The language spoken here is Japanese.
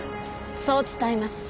そう伝えます。